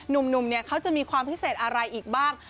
หนุ่มเนี่ยเขาจะมีความพิเศษอะไรอีกบ้าง